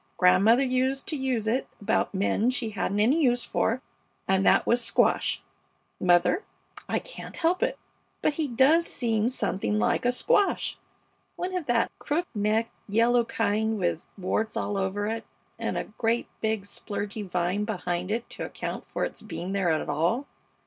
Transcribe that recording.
Grandmother used to use it about men she hadn't any use for, and that was "squash." Mother, I can't help it, but he does seem something like a squash. One of that crook necked, yellow kind with warts all over it, and a great, big, splurgy vine behind it to account for its being there at all.